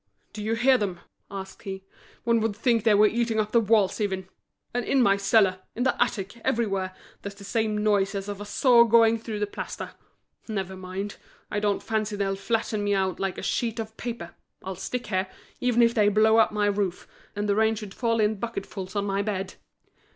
"Do you hear them?" asked he. "One would think they were eating up the walls even! And in my cellar, in the attic, everywhere, there's the same noise as of a saw going through the plaster. Never mind! I don't fancy they'll flatten me out like a sheet of paper. I'll stick here, even if they blow up my roof, and the rain should fall in bucketfuls on my bed!"